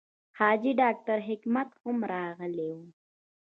حاجي ډاکټر حکمت هم راغلی و.